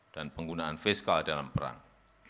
dan penggunaan fiskal dalam perang